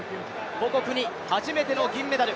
母国に初めての銀メダル。